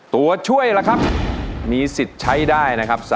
ตัวช่วยล่ะครับมีสิทธิ์ใช้ได้นะครับ